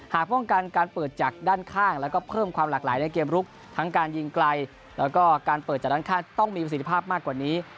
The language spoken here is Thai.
หากฟ่องกันการเปิดจากด้านข้างและเพิ่มความหลากหลายในเกมลุฟทั้งการยินไกลและเปิดจากด้านข้างต้องมีมภาพมากกว่านี้